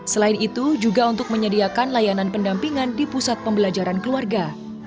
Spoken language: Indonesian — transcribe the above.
selain itu juga untuk menyediakan layanan pendampingan di pusat pembelajaran keluarga